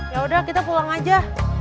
yaudah kita pulang aja